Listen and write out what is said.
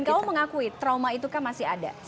dan kamu mengakui trauma itu kan masih ada